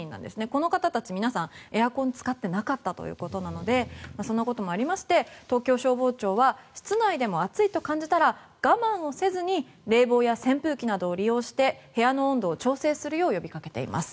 この方たちは皆さんエアコンを使っていなかったということなのでそんなこともありまして東京消防庁は室内でも暑いと感じたら我慢をせずに冷房や扇風機などを利用して部屋の温度を調整するよう呼びかけています。